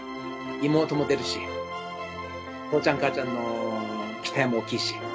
妹も出るし、父ちゃん母ちゃんの期待も大きいし。